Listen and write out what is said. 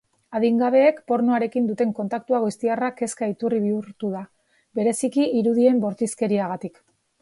Adingabeek pornoarekin duten kontaktu goiztiarra kezka iturri bihurtu da, bereziki, irudien bortizkeriagatik.